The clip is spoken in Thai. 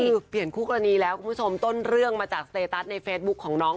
คือเปลี่ยนคู่กรณีแล้วคุณผู้ชมต้นเรื่องมาจากสเตตัสในเฟซบุ๊คของน้อง